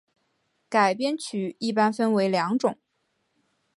改编曲一般分为两种。